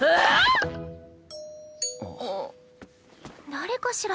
誰かしら？